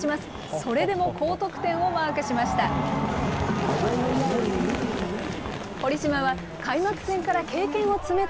それでも高得点をマークしました。